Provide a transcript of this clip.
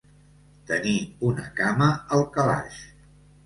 Tenir una cama al calaix.